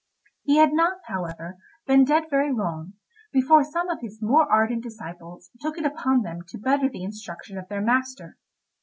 He had not, however, been dead very long, before some of his more ardent disciples took it upon them to better the instruction of their master.